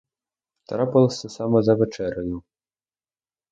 Трапилось це саме за вечерею.